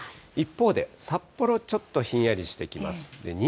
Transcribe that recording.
一方で札幌、ちょっとひんやりしてきます。